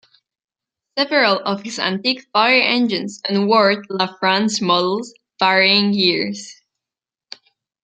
Several of his antique fire engines are Ward LaFrance models of varying years.